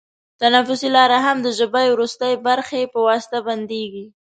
تنفسي لاره هم د ژبۍ وروستۍ برخې په واسطه بندېږي.